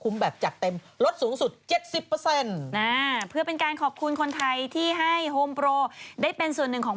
แล้วก็เป็นระเบิดเปรี้ยง